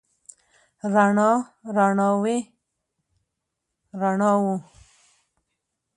رڼا، رڼاوې، رڼاوو